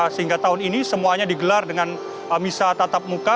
sehingga tahun ini semuanya digelar dengan misa tatap muka